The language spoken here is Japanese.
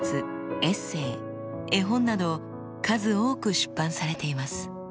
エッセー絵本など数多く出版されています。